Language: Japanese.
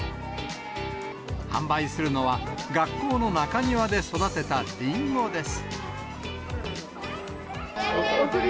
販売するのは、学校の中庭で育てたリンゴです。